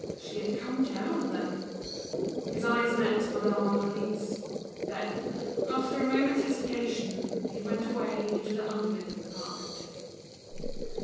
She had come down, then? His eyes met Madame Aurélie's. Then, after a moment's hesitation, he went away into the under linen department.